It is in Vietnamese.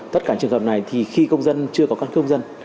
tất cả trường hợp này thì khi công dân chưa có căn cứ công dân